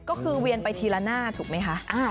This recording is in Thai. ก็คือเวียนไปทีละหน้าถูกไหมคะ